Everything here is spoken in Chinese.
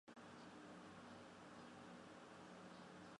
母邹氏。